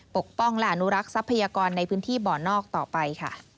ปกป้องและอนุรักษ์ทรัพยากรในพื้นที่บ่อนอกต่อไปค่ะ